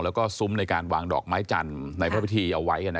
แล้วก็ซุ้มในการวางดอกไม้จันทร์ในพระพิธีเอาไว้